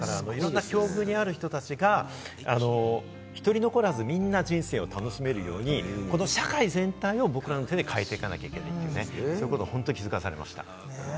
いろんな境遇にある人たちが１人残らず、みんなが人生を楽しめるように、この社会全体を僕らの手で変えていかなきゃいけない、そういうことに本当に気付かされました。